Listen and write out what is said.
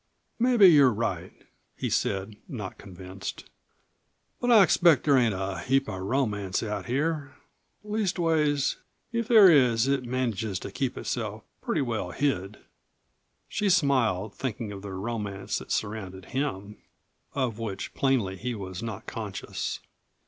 "Mebbe you're right," he said, not convinced. "But I expect there ain't a heap of romance out here. Leastways, if there is it manages to keep itself pretty well hid." She smiled, thinking of the romance that surrounded him of which, plainly, he was not conscious.